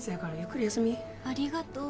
ありがとう。